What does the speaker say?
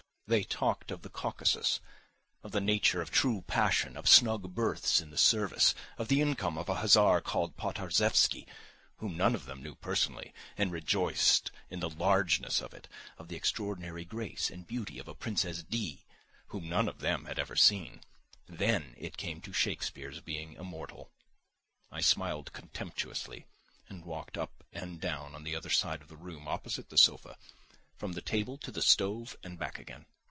They talked of the Caucasus, of the nature of true passion, of snug berths in the service, of the income of an hussar called Podharzhevsky, whom none of them knew personally, and rejoiced in the largeness of it, of the extraordinary grace and beauty of a Princess D., whom none of them had ever seen; then it came to Shakespeare's being immortal. I smiled contemptuously and walked up and down the other side of the room, opposite the sofa, from the table to the stove and back again.